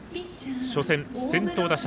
初戦、先頭打者。